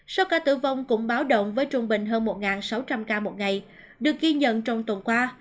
số ca tử vong cũng báo động với trung bình hơn một sáu trăm linh ca một ngày được ghi nhận trong tuần qua